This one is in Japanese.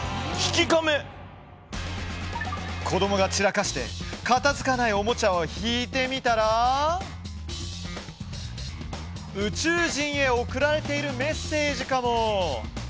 子どもが散らかして片づかないおもちゃも引いてみたら宇宙人へ送られているメッセージかも！？